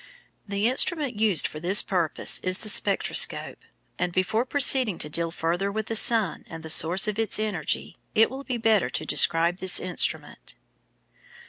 The instrument used for this purpose is the spectroscope; and before proceeding to deal further with the sun and the source of its energy it will be better to describe this instrument.